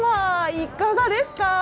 いかがですか？